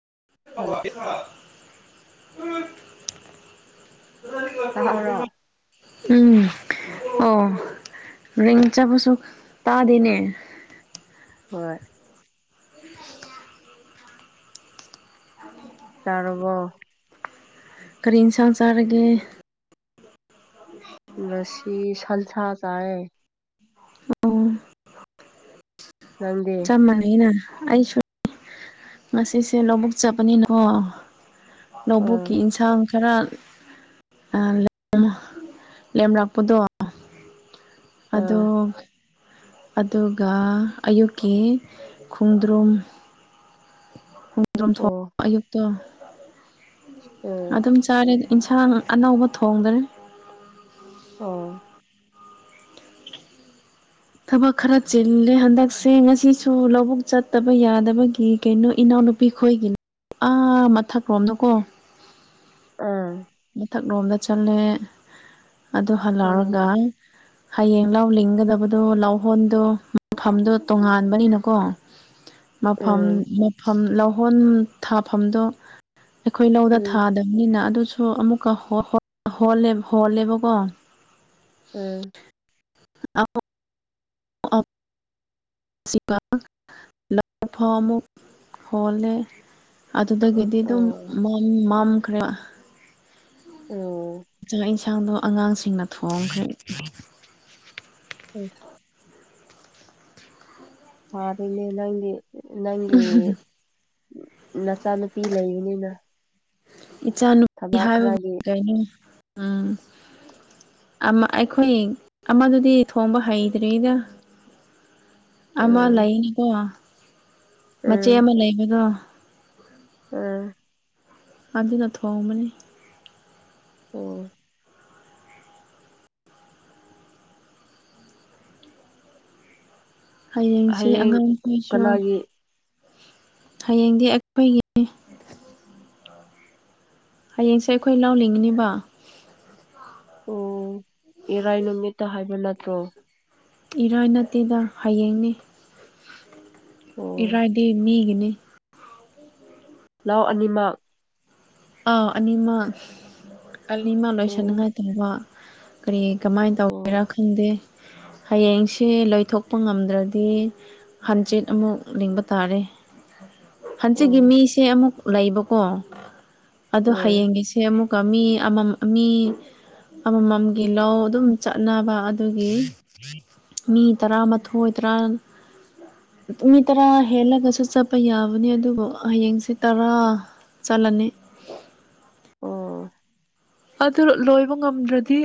[unintelligible] [unintelligible] ꯇꯥꯕ꯭ꯔꯥ ꯎꯝ ꯑꯣ ꯔꯤꯡ ꯆꯠꯄꯁꯨ ꯇꯥꯗꯦꯅꯦ ꯍꯣꯏ ꯆꯥꯔ‍ꯕꯣ ꯀꯔꯤ ꯏꯟꯁꯥꯡ ꯆꯥꯔꯒꯦ ꯉꯁꯤ ꯁꯟꯁꯥ ꯆꯥꯏꯌꯦ ꯑꯣ [unintelligible] ꯅꯪꯗꯤ ꯆꯞ ꯃꯥꯟꯅꯩꯅ ꯑꯩꯁꯨ ꯉꯁꯤꯁꯦ ꯂꯧꯕꯨꯛ ꯆꯠꯄꯅꯤꯅꯀꫭ ꯑꯥ ꯂꯧꯕꯨꯛꯀꯤ ꯏꯟꯁꯥꯡ ꯈꯔ‌ ꯑ‌ [unintelligible] ꯂꯦꯝꯔꯛꯄꯗꯣ ꯑꯗꯣ ꯑꯥ ꯑꯗꯨꯒ ꯑꯌꯨꯛꯀꯤ ꯈꯣꯡꯗ꯭ꯔꯨꯝ ꯈꫭꯡ ꯗ꯭ꯔꯨꯝ ꯑꯣ [unintelligible] ꯑꯌꯨꯛꯇꯣ ꯎꯝ ꯑꯗꯨꯝ ꯆꯥꯔꯦꯗ ꯏꯟꯁꯥꯡ ꯑꯅꯧꯕ ꯊꯣꯡꯗꯔꯦ ꯑꯣ ꯊꯕꯛ ꯈꯔ ꯆꯤꯜꯂꯦ ꯍꯟꯗꯛꯁꯦ ꯉꯁꯤꯁꯨ ꯂꯧꯕꯨꯛ ꯆꯠꯇꯕ ꯌꯥꯗꯕꯒꯤ ꯀꯩꯅꯣ ꯏꯅꯥꯎ ꯅꯨꯄꯤ ꯈꯣꯏꯒꯤ ꯑꯥ ꯃꯊꯛꯔꫭꯝꯗꯀꯣ ꯑꯥ ꯃꯊꯛꯂꯣꯝꯗ ꯆꯠꯂꯦ ꯑꯗꯨ ꯑꯣ ꯍꯜꯂꯛꯑꯒ ꯎꯝ ꯍꯌꯦꯡ ꯂꯧ ꯂꯤꯡꯒꯗꯕꯗꯣ ꯂꯧꯍꯣꯟꯗꯣ ꯃꯐꯝꯗꯣ ꯇꯣꯉꯥꯟꯕꯅꯤꯅꯀꯣ ꯃꯐꯝ ꯃꯐꯝ ꯂꯧꯍꯣꯟ ꯊꯥꯐꯝꯗꫭ ꯑꯩꯈꯣꯏ ꯂꯧꯗ ꯎꯝ ꯊꯥꯗꯞꯅꯤꯅ ꯑꯗꯨ ꯁꯨ ꯑꯃꯨꯛꯀ [unintelligible] ꯍꫭꯜꯂꯦꯕꯀꯣ ꯎꯝ [inaudible] ꯑꯞ [unintelligible] ꯍꯣꯜꯂꯦ ꯑꯗꯨꯗꯒꯤꯗꯤ ꯗꯨꯝ ꯑꯣ ꯃꯝ ꯃꯝꯈ꯭ꯔꯦꯕ ꯑꯣ ꯆꯥꯛ ꯏꯟꯁꯥꯡꯗꯣ ꯑꯉꯥꯡꯁꯤꯡꯅ ꯊꯣꯡꯈ꯭ꯔꯦ [unintelligible] ꯐꯔꯦꯅꯦ ꯅꯪꯗꯤ ꯅꯪꯒꯤ ꯅꯆꯥꯅꯨꯄꯤ ꯂꯩꯕꯅꯤꯅ ꯏꯆꯥꯅꯨꯄꯤ ꯊꯕꯛ ꯍꯥꯏꯕꯕꯨ ꯈꯔꯒꯤ ꯀꯩꯅꯣ ꯎꯝ ꯑꯃ ꯑꯩꯈꯣꯏ ꯑꯃꯗꯨꯗꯤ ꯊꯣꯡꯕ ꯍꯩꯇ꯭ꯔꯤꯗ ꯑꯃ ꯎꯝ ꯂꯩꯅꯤꯀꯣ ꯃꯆꯦ ꯑꯃ ꯂꯩꯕꯗꯣ ꯑꯥ ꯑꯗꯨꯅ ꯊꯣꯡꯕꯅꯤ ꯑꯣ ꯍꯌꯦꯡꯁꯦ ꯍꯌꯦꯡ ꯑꯉꯥꯡꯈꯩꯁꯨ ꯀꯅꯥꯒꯤ ꯍꯌꯦꯡꯗꯤ ꯑꯩꯈꯣꯏꯒꯤ ꯍꯌꯦꯡꯁꯦ ꯑꯩꯈꯣꯏ ꯂꯧꯂꯤꯡꯒꯅꯤꯕ ꯑꯣ ꯏꯔꯥꯏ ꯅꯨꯃꯤꯠꯇ ꯍꯥꯏꯕ ꯅꯠꯇ꯭ꯔꯣ ꯏꯔꯥꯏ ꯅꯠꯇꯦꯗ ꯍꯌꯦꯡꯅꯤ ꯑꯣ ꯏꯔꯥꯏꯗꯤ ꯃꯤꯒꯤꯅꯤ ꯂꯥꯎ ꯑꯅꯤꯃꯛ ꯑꯥ ꯑꯅꯤꯃ ꯑꯅꯤꯃ ꯑꯣ ꯂꯣꯏꯁꯟꯅꯤꯉꯥꯏ ꯇꯧꯕ ꯀꯔꯤ ꯀꯃꯥꯏ ꯑꯣ ꯇꯧꯒꯦꯔ ꯈꯪꯗꯦ ꯍꯌꯦꯡꯁꯦ ꯂꯩꯏꯊꯣꯛꯄ ꯉꯝꯗ꯭ꯔꯗꯤ ꯍꯟꯆ꯭ꯤꯠ ꯑꯃꯨꯛ ꯂꯤꯡꯕ ꯇꯥꯔꯦ ꯍꯟꯆꯤꯠꯀꯤ ꯎꯝ ꯃꯤꯁꯦ ꯑꯃꯨꯛ ꯂꯩꯕꯀꯣ ꯑꯗꯣ ꯎꯝ ꯍꯌꯦꯡꯒꯤꯁꯦ ꯑꯃꯨꯛ ꯃꯤ ꯑꯃꯝ ꯃꯤ ꯑꯃꯃꯝꯒꯤ ꯂꯧ ꯑꯗꯨꯝ ꯆꯠꯅꯕ ꯑꯗꯨꯒꯤ ꯃꯤ ꯇꯔꯥꯃꯥꯊꯣꯏ ꯇꯔꯥ ꯃꯤ ꯇꯔꯥ ꯍꯦꯜꯂꯒꯁꯨ ꯆꯠꯄ ꯌꯥꯕꯅꯦ ꯑꯗꯨꯕꯨ ꯍꯌꯦꯡꯁꯦ ꯇꯔꯥ ꯆꯠꯂꯅꯤ ꯑꯣ ꯑꯗꯨ ꯂꯣꯏꯕ ꯉꯝꯗ꯭ꯔꯗꯤ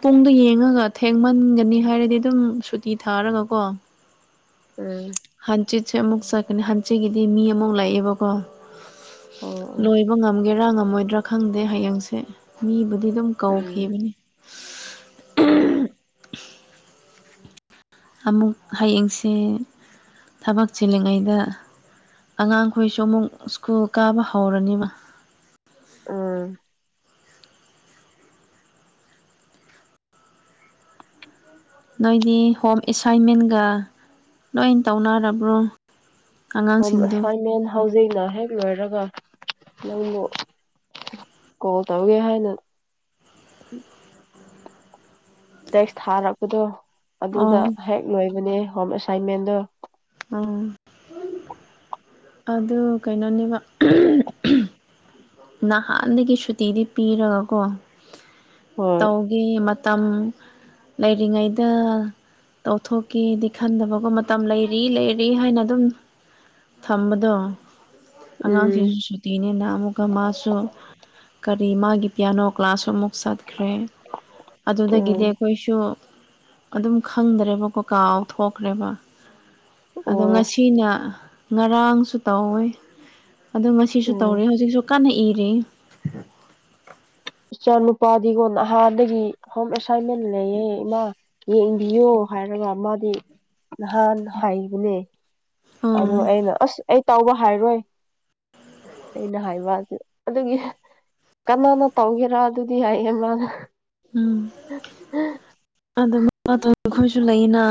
ꯄꯨꯡꯗꯣ ꯌꯦꯡꯉꯒ ꯊꯦꯡꯃꯟꯒꯅꯤ ꯍꯥꯏꯔꯗꯤ ꯑꯗꯨꯝ ꯁꯨꯇꯤ ꯊꯥꯔꯒꯀꯣ ꯎꯝ ꯍꯥꯟꯆꯤꯠꯁꯦ ꯑꯃꯨꯛ ꯆꯠꯀꯅꯤ ꯍꯥꯟꯆꯤꯠꯒꯤꯗꯤ ꯃꯤ ꯑꯃꯨꯛ ꯂꯩꯌꯦꯕꯀꯣ ꯑꯣ ꯑꯣ ꯂꯣꯏꯕ ꯉꯝꯒꯦꯔꯥ ꯉꯝꯃꯣꯏꯗ꯭ꯔꯥ ꯈꯪꯗꯦ ꯍꯌꯦꯡꯁꯦ ꯃꯤꯕꯨ ꯑꯗꯨꯝ ꯎꯝ ꯀꯧꯈꯤꯕꯅꯤ ꯑꯣ ꯑꯃꯨꯛ ꯍꯌꯦꯡꯁꯤ ꯊꯕꯛ ꯆꯤꯜꯂꯤꯉꯩꯗ ꯑꯉꯥꯡꯈꯣꯏꯁꯨ ꯑꯃꯨꯛ ꯁ꯭ꯀꯨꯜ ꯀꯥꯕ ꯍꯧꯔꯅꯤꯕ ꯎꯝ ꯅꯣꯏꯗꯤ ꯍꯣꯝ ꯑꯦꯁꯥꯏꯟꯃꯦꯟꯒ ꯂꯣꯏ ꯇꯧꯅꯔꯕ꯭ꯔꯣ ꯍꯣꯝ ꯑꯉꯥꯡꯁꯤꯡꯗꯨ ꯑꯦꯁꯥꯏꯟꯃꯦꯟ ꯍꯧꯖꯤꯛꯅ ꯍꯦꯛ ꯂꯣꯏꯔꯒ ꯅꯪꯕꯨ ꯀꯣꯜ ꯇꯧꯒꯦ ꯍꯥꯏꯅ ꯇꯦꯛꯁ ꯊꯥꯔꯛꯄꯗꯣ ꯑꯣ ꯑꯗꯨꯗ ꯍꯦꯛ ꯂꯣꯏꯕꯅꯦ ꯍꯣꯝ ꯑꯦꯁꯥꯏꯟꯃꯦꯟꯗꯣ ꯑꯥ ꯑꯗꯨ ꯀꯩꯅꯣꯅꯦꯕ ꯅꯍꯥꯟꯗꯒꯤ ꯁꯨꯇꯤꯗꯤ ꯄꯤꯔꯒꯀꯣ ꯍꯣꯏ ꯇꯧꯒꯤ ꯃꯇꯝ ꯂꯩꯔꯤꯉꯩꯗ ꯇꯧꯊꯣꯛꯀꯦꯗꯤ ꯈꯟꯗꯕꯒꯨꯝ ꯃꯇꯝ ꯂꯩꯔꯤ ꯂꯩꯔꯤ ꯍꯥꯏꯅ ꯑꯗꯨꯝ ꯊꯝꯕꯗꯣ ꯎꯝ ꯑꯉꯥꯡꯁꯤꯡꯁꯨ ꯁꯨꯇꯤꯅꯤꯅ ꯑꯗꯨꯒ ꯃꯥꯁꯨ ꯀꯔꯤ ꯃꯥꯒꯤ ꯄꯤꯌꯥꯅꯣ ꯀ꯭ꯂꯥꯁ ꯑꯃꯨꯛ ꯆꯠꯈ꯭ꯔꯦ ꯑꯗꯨꯗꯒꯤꯗꯤ ꯎꯝ ꯑꯩꯈꯣꯏꯁꯨ ꯑꯗꯨꯝ ꯈꯪꯗ꯭ꯔꯦꯕꯀꯣ ꯀꯥꯎꯊꯣꯛꯈ꯭ꯔꯦꯕ ꯑꯗꯣ ꯑꯣ ꯉꯁꯤꯅ ꯉꯔꯥꯡꯁꯨ ꯇꯧꯋꯦ ꯑꯣ ꯉꯁꯤꯁꯨ ꯎꯝ ꯇꯧꯔꯦ ꯍꯧꯖꯤꯛꯁꯨ ꯀꯟꯅ ꯏꯔꯤ ꯏꯆꯥ ꯅꯨꯨꯄꯥꯗꯤꯀꯣ ꯅꯍꯥꯟꯗꯒꯤ ꯍꯣꯝ ꯑꯦꯁꯥꯏꯟꯃꯦꯟ ꯂꯩꯌꯦ ꯏꯃꯥ ꯌꯦꯡꯕꯤꯌꯣ ꯍꯥꯏꯔꯒ ꯃꯥꯗꯤ ꯅꯍꯥꯟ ꯍꯥꯏꯕꯅꯦ ꯑꯗꯣ ꯎꯝ ꯑꯩꯅ ꯑꯁ ꯑꯩ ꯇꯧꯕ ꯍꯥꯏꯔꯣꯏ ꯑꯩꯅ ꯍꯥꯏꯕ ꯑꯗꯨꯒꯤ ꯀꯅꯥꯅ ꯇꯧꯒꯦꯔꯥ ꯑꯗꯨꯗꯤ ꯍꯥꯏꯌꯦ ꯃꯥꯅ ꯎꯝ ꯑꯗ ꯑꯩꯈꯣꯏꯁꯨ ꯂꯩꯅ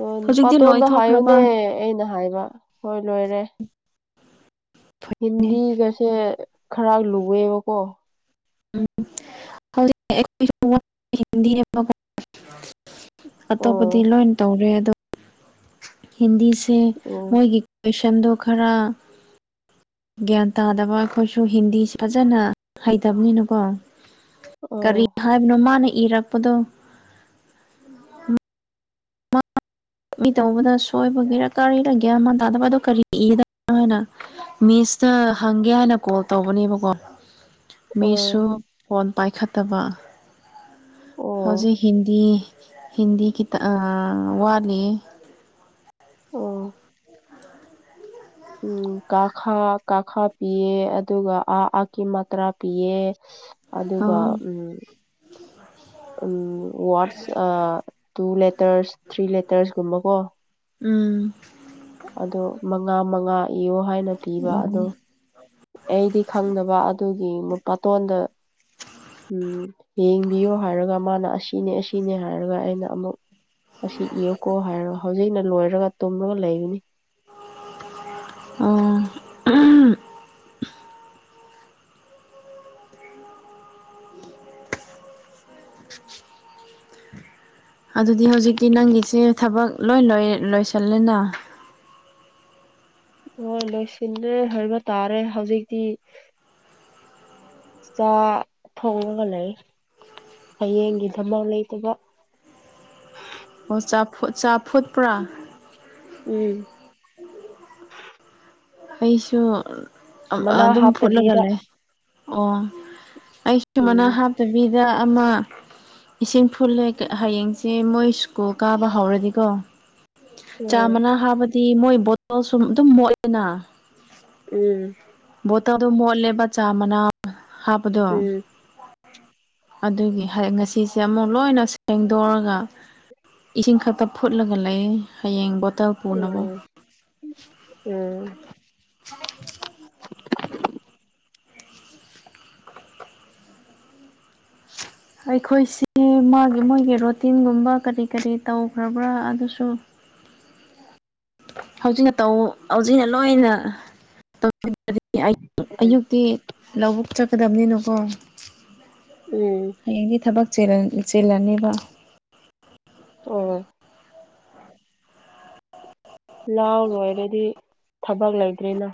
ꯑꯣ ꯍꯧꯖꯤꯛꯇꯤ ꯄꯥꯇꯣꯟꯗ ꯂꯣꯏꯊꯣꯛꯈ꯭ꯔꯕ ꯍꯥꯏꯌꯨꯅꯦ ꯑꯩꯅ ꯍꯥꯏꯕ ꯍꯣꯏ ꯂꯣꯏꯔꯦ ꯍꯤꯟꯗꯤꯒꯁꯦ ꯈꯔ ꯂꯨꯑꯦꯕꯀꯣ ꯎꯝ ꯍꯧꯖꯤꯛꯇꯤ ꯑꯩꯈꯣꯢꯁꯨ [unintelligible] ꯑꯇꯣꯞꯄꯗꯤ ꯑꯣ ꯂꯣꯏ ꯇꯧꯔꯦ ꯑꯗꯣ ꯍꯤꯟꯗꯤꯁꯦ ꯎꯝ ꯃꯣꯏꯒꯤ ꯀꯣꯏꯁꯟꯗꯣ ꯈꯔ ꯒ꯭ꯌꯥꯟ ꯇꯥꯗꯕ ꯑꯩꯈꯣꯏꯁꯨ ꯍꯤꯟꯗꯤ ꯐꯖꯅ ꯍꯩꯇꯕꯅꯤꯅꯀꯣ ꯑꯥ ꯀꯔꯤ ꯍꯥꯏꯕꯅꯣ ꯃꯥꯅ ꯏꯔꯛꯄꯗꯣ ꯃꯤ ꯇꯧꯕꯗ ꯁꯣꯏꯕꯒꯤꯔ ꯀꯔꯤꯔ ꯒ꯭ꯌꯥꯟ ꯃꯥꯟ ꯇꯥꯗꯕꯗꯣ ꯀꯔꯤ ꯏꯒꯗꯅꯣ ꯍꯥꯢꯅ ꯃꯤꯁ ꯇ ꯍꯪꯒꯦ ꯍꯥꯏꯅ ꯀꯣꯜ ꯇꯧꯕꯅꯦꯕꯀꯣ ꯑꯥ ꯃꯤꯁꯁꯨ ꯐꯣꯟ ꯄꯥꯏꯈꯠꯇꯕ ꯑꯣ ꯍꯧꯖꯤꯛ ꯍꯤꯟꯗꯤ ꯍꯤꯟꯗꯤ ꯈꯤꯇ ꯋꯥꯠꯂꯤ ꯑꯣ ꯎ ꯀꯥꯈꯥ ꯀꯥꯈꯥ ꯄꯤꯌꯦ ꯑꯗꯨꯒ ꯑꯥ ꯑꯥꯀꯤ ꯃꯇ꯭ꯔꯥ ꯄꯤꯌꯦ ꯑꯗꯨꯒ ꯑꯥ ꯎꯝ ꯎꯝ what's two let letters three ꯂꯦꯇꯔꯁꯀꯨꯝꯕ ꯀꯣ ꯎꯝ ꯑꯗꯣ ꯃꯉꯥ ꯃꯉꯥ ꯏꯌꯣ ꯍꯥꯏꯅ ꯄꯤꯕ ꯑꯗꯣ ꯑꯩꯗꯤ ꯈꯪꯗꯕ ꯑꯗꯨꯒꯤ ꯃꯄꯥꯇꯣꯟꯗ ꯎꯝ ꯌꯦꯡꯕꯤꯌꯨ ꯍꯥꯏꯔꯒ ꯃꯥꯅ ꯑꯁꯤꯅꯦ ꯑꯁꯤꯅꯦ ꯍꯥꯏꯔꯒ ꯑꯩꯅ ꯑꯃꯨꯛ ꯑꯁꯤ ꯏꯌꯨꯀꯣ ꯍꯥꯏꯔꯒ ꯍꯧꯖꯤꯛꯅ ꯂꯣꯏꯔꯒ ꯇꯨꯝꯔꯒ ꯂꯩꯕꯅꯤ ꯑꯥ ꯍꯝ ꯑꯗꯨꯗꯤ ꯍꯧꯖꯤꯛꯇꯤ ꯅꯪꯒꯤꯁꯦ ꯊꯕꯛ ꯂꯣꯏ ꯂꯣꯏꯔꯦ ꯂꯣꯢꯁꯤꯜꯂꯦꯅ ꯍꯣꯏ ꯂꯣꯏꯁꯤꯟꯂꯦ ꯍꯥꯏꯕ ꯇꯥꯔꯦ ꯍꯧꯖꯤꯛꯇꯤ ꯆꯥ ꯊꯛꯒ ꯂꯩ ꯍꯌꯦꯡꯒꯤ ꯊꯕꯛ ꯂꯩꯇꯕ ꯑꯣ ꯆꯥꯐꯨ ꯆꯥꯐꯨꯠꯄ꯭ꯔꯥ ꯎꯝ ꯑꯩꯁꯨ ꯃꯅꯥ ꯑꯗꯨꯝ ꯐꯨꯠꯂꯒ ꯍꯥꯞꯇꯕꯤꯗ ꯂꯩ ꯑꯣ ꯑꯩ ꯁꯨꯃꯥꯏꯅ ꯎꯝ ꯍꯥꯞꯇꯕꯤꯗ ꯑꯃ ꯏꯁꯤꯡ ꯐꯨꯠꯂꯦ ꯍꯌꯦꯡꯁꯦ ꯃꯣꯏ ꯁ꯭ꯀꯨꯜ ꯀꯥꯕ ꯍꯧꯔꯗꯤꯀꯣ ꯆꯥ ꯎꯝ ꯃꯅꯥ ꯍꯥꯕꯗꯤ ꯃꯣꯏ ꯕꯣꯇꯜ ꯁꯨ ꯑꯗꯨꯝ ꯃꯣꯠꯂꯦꯅ ꯎꯝ ꯕꯣꯇꯜꯗꯣ ꯃꯣꯠꯂꯦꯕ ꯆꯥ ꯃꯅꯥ ꯍꯥꯞꯄꯗꯣ ꯎꯝ ꯑꯗꯨꯒꯤ ꯉꯁꯤꯁꯦ ꯑꯃꯨꯛ ꯂꯣꯏꯅ ꯁꯦꯡꯗꯣꯛꯔꯒ ꯏꯁꯤꯡ ꯈꯛꯇ ꯐꯨꯠꯂꯒ ꯂꯩ ꯍꯌꯦꯡ ꯕꯣꯠ ꯎꯝ ꯎꯝ [unintelligible] ꯑꯩꯈꯣꯏꯁꯤ ꯃꯥꯒꯤ ꯃꯣꯏꯒꯤ ꯔꯣꯇꯤꯟꯒꯨꯝꯕ ꯀꯔꯤ ꯀꯔꯤ ꯇꯧꯈ꯭ꯔꯕ꯭ꯔꯥ ꯑꯗꯨꯁꯨ [inaudible] ꯍꯧꯖꯤꯛꯅ ꯇꯧ ꯍꯧꯖꯤꯛꯅ ꯂꯣꯏꯅ ꯇꯧ [unintelligible] ꯑꯌꯨꯛꯇꯤ ꯂꯧꯕꯨꯛ ꯆꯠꯀꯗꯕꯅꯤꯅꯀꯣ ꯎꯝ ꯍꯌꯦꯡꯗꯤ ꯊꯕꯛ ꯆꯤꯜ ꯆꯦꯜꯂꯅꯦꯕ ꯑꯣ ꯂꯥꯎ ꯂꯣꯏꯔꯗꯤ ꯊꯕꯛ ꯂꯩꯇ꯭ꯔꯦꯅ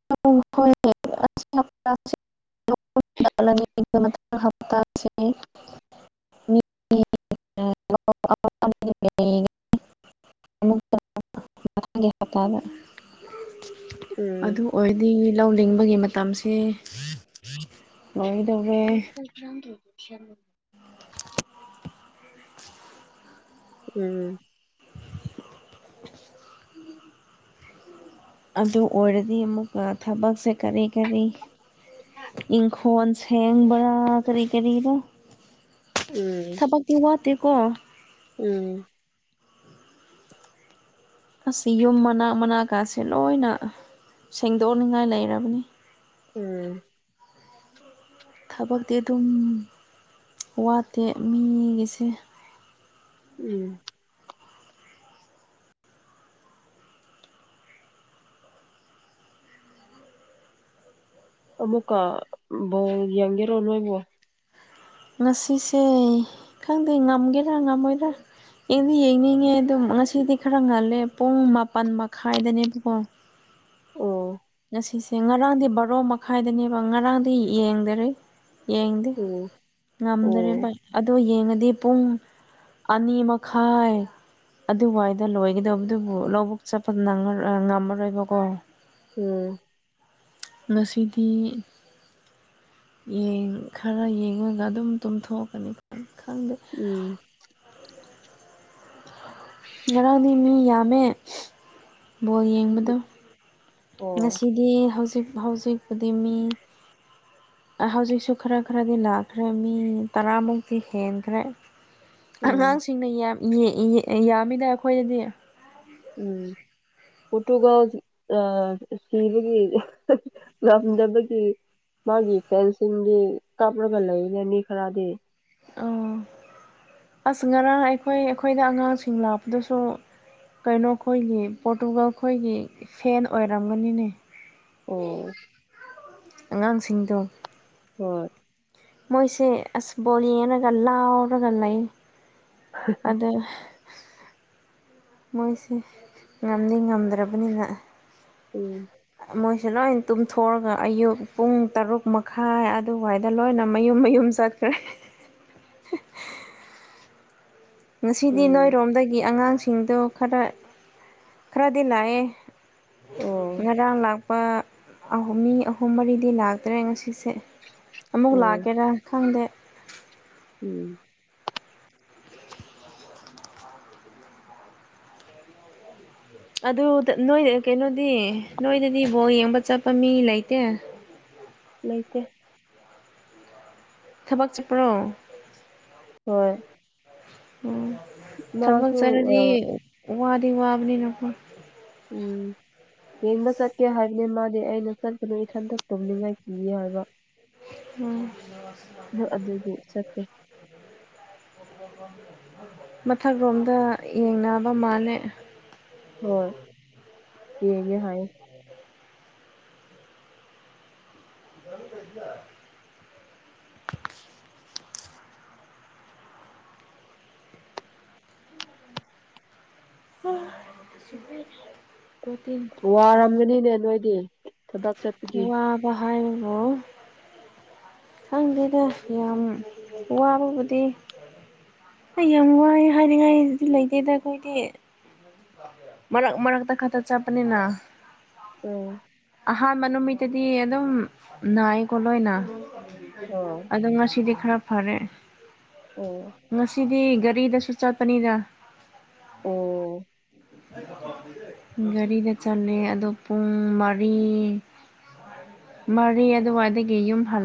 [unintelligible] [unintelligible] [unintelligible] [unintelligible] ꯎꯝ ꯑꯗꯨ ꯑꯣꯏꯗꯤ ꯂꯧ ꯂꯤꯡꯕꯒꯤ ꯃꯇꯝꯁꯤ ꯂꯧꯔꯣꯏꯗꯧꯔꯦ [inaudible] ꯎꯝ ꯑꯗꯨ ꯑꯣꯏꯔꯗꯤ ꯑꯃꯨꯛꯀ ꯊꯕꯛꯁꯦ ꯀꯔꯤ ꯀꯔꯤ ꯏꯪ ꯈꯣꯟ ꯁꯦꯡꯕꯔ ꯀꯔꯤ ꯀꯔꯤꯅꯣ ꯎꯝ ꯊꯕꯛꯇꯤ ꯋꯥꯠꯇꯦ ꯀꯣ ꯎꯝ ꯑꯁꯤ ꯌꯨꯝ ꯃꯅꯥꯛ ꯃꯅꯥꯀꯥꯁꯦ ꯂꯣꯏꯅ ꯁꯦꯡꯗꯣꯛꯅꯤꯡꯉꯥꯏ ꯂꯩꯔꯕꯅꯤ ꯎꯝ ꯊꯕꯛꯇꯤ ꯑꯗꯨꯝ ꯋꯥꯠꯇꯦ ꯃꯤꯒꯤꯁꯦ ꯎꯝ ꯑꯃꯨꯀ ꯕꯣꯜ ꯌꯦꯡꯒꯦꯔꯣ ꯅꯣꯏꯕꯣ ꯉꯁꯤꯁꯦ ꯈꯪꯗꯦ ꯉꯝꯒꯦꯔꯥ ꯉꯝꯃꯣꯏꯗꯔꯥ ꯑꯩꯗꯤ ꯌꯦꯡꯅꯤꯡꯉꯦ ꯑꯗꯨꯝ ꯉꯁꯤꯗꯤ ꯈꯔ ꯉꯜꯂꯦ ꯄꯨꯡ ꯃꯥꯄꯜ ꯃꯈꯥꯏꯗꯅꯦꯕꯀꯣ ꯑꯣ ꯁꯤꯁꯦ ꯉꯔꯥꯡꯗꯤ ꯕꯥꯔꯣ ꯃꯈꯥꯏꯗꯅꯦꯕ ꯉꯔꯥꯡꯗꯤ ꯌꯦꯡꯗꯔꯦ ꯌꯦꯡꯗꯦ ꯎꯝ ꯉꯝꯗꯣꯔꯦꯕ ꯑꯣ ꯑꯗꯣ ꯌꯦꯡꯉꯗꯤ ꯄꯨꯡ ꯑꯅꯤ ꯃꯈꯥꯏꯏ ꯑꯗꯨ ꯋꯥꯏꯗ ꯂꯣꯏꯒꯗꯧꯕ ꯑꯗꯨꯕꯨ ꯂꯧꯕꯨꯛ ꯆꯠꯄꯗꯑꯥ ꯉꯝꯃꯔꯣꯏꯕꯀꯣ ꯎꯝ ꯉꯁꯤꯗꯤ ꯈꯔ ꯌꯦꯡꯉꯒ ꯑꯗꯨꯝ ꯇꯨꯝꯊꯣꯛꯀꯅꯤ ꯈꯪꯗꯦ ꯎꯝ ꯉꯔꯥꯡꯗꯤ ꯃꯤ ꯌꯥꯝꯃꯦ ꯕꯣꯜ ꯌꯦꯡꯕꯗꯣ ꯑꯣ ꯉꯁꯤꯗꯤ ꯍꯧꯖꯤꯛ ꯍꯧꯖꯤꯛꯄꯨꯗꯤ ꯃꯤ ꯍꯧꯖꯤꯛꯁꯨ ꯈꯔ ꯈꯔꯗꯤ ꯂꯥꯛꯈ꯭ꯔꯦ ꯃꯤ ꯇꯔꯥꯃꯨꯛꯇꯤ ꯍꯦꯟꯈ꯭ꯔꯦ ꯎꯝ ꯑꯉꯥꯡꯁꯤꯡꯅ ꯌꯥꯝꯃꯤꯗ ꯑꯩꯈꯣꯏꯗꯗꯤ ꯎꯝ ꯄꯣꯇꯨꯒꯜ ꯑꯥ ꯁꯤꯕꯒꯤ ꯉꯝꯗꯕꯒꯤ ꯃꯥꯒꯤ ꯐꯦꯟꯁꯤꯡꯗꯤ ꯀꯥꯞꯂꯒ ꯂꯩꯔꯅꯤ ꯈꯔꯗꯤ ꯑꯣ ꯑꯁ ꯉꯔꯥꯡ ꯑꯩꯈꯣꯏ ꯑꯩꯈꯣꯏꯗ ꯑꯉꯥꯡꯁꯤꯡ ꯂꯥꯛꯄꯗꯁꯨ ꯀꯩꯅꯣ ꯈꯣꯏꯒꯤ ꯄꯣꯔꯇꯨꯒꯜ ꯈꯣꯏꯒꯤ ꯐꯦꯟ ꯑꯣꯏꯔꯝꯒꯅꯤꯅꯦ ꯑꯣ ꯑꯉꯥꯡꯁꯤꯡꯗꯣ ꯍꯣꯏ ꯃꯣꯏꯁꯦ ꯑꯁ ꯕꯣꯜ ꯌꯦꯡꯂꯒ ꯂꯥꯎꯗꯅ ꯂꯩꯏ ꯑꯗ ꯃꯣꯏꯁꯦ ꯉꯝꯗꯤ ꯉꯝꯗ꯭ꯔꯕꯅꯤꯅ ꯎꯝ ꯃꯣꯏꯁꯦ ꯂꯣꯏꯅ ꯇꯨꯝꯊꯣꯛꯑꯒ ꯑꯌꯨꯛ ꯄꯨꯡ ꯇꯔꯨꯛ ꯃꯈꯥꯏ ꯑꯗꯨꯋꯥꯏꯗ ꯂꯣꯏꯅ ꯃꯌꯨꯝ ꯃꯌꯨꯝ ꯆꯠꯈ꯭ꯔꯦ ꯉꯁꯤꯗꯤ ꯎꯝ ꯅꯣꯏꯔꯣꯝꯗꯒꯤ ꯑꯉꯥꯡꯁꯤꯡꯗꯣ ꯈꯔ ꯈꯔꯗꯤ ꯂꯥꯛꯑꯦ ꯑꯣ ꯉꯔꯥꯡ ꯂꯥꯛꯄ ꯑꯍꯨꯝ ꯃꯤ ꯑꯍꯨꯝ ꯃꯔꯤꯗꯤ ꯂꯥꯛꯇ꯭ꯔꯦ ꯉꯁꯤꯁꯦ ꯁꯦ ꯑꯃꯨꯛ ꯑꯣ ꯂꯥꯛꯀꯦꯔꯥ ꯈꯪꯗꯦ ꯎꯝ ꯑꯗꯨ ꯅꯣꯏ ꯀꯩꯅꯣꯗꯤ ꯅꯣꯏꯗꯗꯤ ꯕꯣꯜ ꯌꯦꯡꯕ ꯆꯠꯄ ꯃꯤ ꯂꯩꯇꯦ ꯎꯝ ꯂꯩꯇꯦ ꯊꯕꯛ ꯆꯠꯄ꯭ꯔꯣ ꯍꯣꯏ ꯑꯣ ꯊꯕꯛ ꯃꯥꯁꯨ ꯆꯇꯂꯗꯤ ꯑꯥ ꯋꯥꯗꯤ ꯋꯥꯕꯅꯤꯅꯀꯣ ꯎꯝ ꯌꯦꯡꯕ ꯆꯠꯀꯦ ꯍꯥꯏꯕꯅꯦ ꯃꯥꯗꯤ ꯑꯩꯅ ꯆꯠꯀꯅꯨ ꯏꯊꯟꯇ ꯇꯨꯝꯅꯤꯡꯉꯥꯏ ꯀꯤꯌꯦ ꯍꯥꯏꯕ ꯎꯝ ꯍꯣꯏ ꯑꯗꯨꯒꯤ ꯆꯠꯇꯦ ꯃꯊꯛ ꯔꯣꯝꯗ ꯌꯦꯡꯅꯕ ꯃꯥꯜꯂꯦ ꯍꯣꯏ ꯌꯦꯡꯉꯦ ꯍꯥꯏꯌꯦ [inaudible] [unintelligible] ꯋꯥꯔꯝꯒꯅꯤꯅꯦ ꯅꯣꯏꯗꯤ ꯊꯕꯛ ꯆꯠꯄꯒꯤ ꯍꯥꯏꯕ꯭ꯔꯣ ꯈꯪꯗꯦꯗ ꯌꯥꯝ ꯋꯥꯕꯕꯨꯗꯤ ꯑꯩ ꯌꯥꯝ ꯋꯥꯥꯏ ꯍꯥꯏꯅꯤꯡꯉꯥꯏꯗꯤ ꯂꯩꯇꯦꯗ ꯑꯩꯈꯣꯏꯗꯤ ꯃꯔꯛ ꯃꯔꯛꯇ ꯈꯠꯇ ꯆꯠꯄꯅꯤꯅ ꯎꯝ ꯑꯍꯥꯟꯕ ꯅꯨꯃꯤꯠꯇꯗꯤ ꯑꯗꯨꯝ ꯅꯥꯏꯀꯣ ꯂꯣꯏꯅ ꯑꯣ ꯑꯗꯣ ꯉꯁꯤꯗꯤ ꯈꯔ ꯐꯔꯦ ꯑꯣ ꯉꯁꯤꯗꯤ ꯒꯥꯔꯤꯗꯁꯨ ꯆꯠꯄꯅꯤꯗ ꯑꯣ ꯒꯥꯔꯤꯗ ꯆꯜꯂꯦ ꯑꯗꯣ ꯄꯨꯡ ꯃꯔꯤ ꯃꯔꯤ ꯑꯗꯨꯋꯥꯏꯗꯒꯤ ꯌꯨꯝ ꯍꯜ